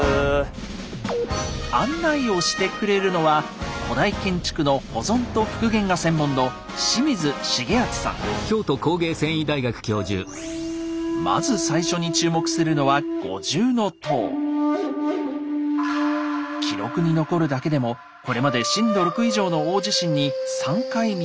案内をしてくれるのは古代建築の保存と復元が専門のまず最初に注目するのは記録に残るだけでもこれまで震度６以上の大地震に３回見舞われています。